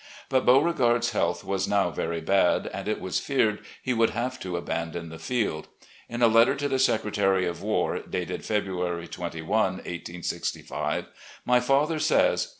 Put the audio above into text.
But Beamegard's health was now very bad, and it was feared he would have to abandon the field. In a letter to the Secretary of War, dated February 21, 1865, my father says